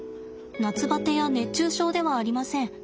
夏バテや熱中症ではありません。